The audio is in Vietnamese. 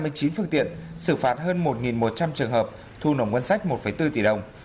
trong đó ba mươi chín phương tiện xử phát hơn một một trăm linh trường hợp thu nồng quân sách một bốn tỷ đồng